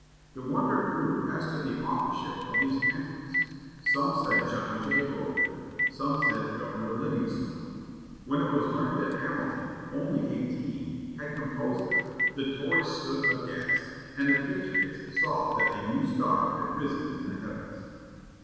The wonder grew as to the authorship of these pamphlets. Some said John Jay wrote them; some said Governor Livingstone. When it was learned that Hamilton, only eighteen, had composed them, the Tories stood aghast, and the Patriots saw that a new star had risen in the heavens.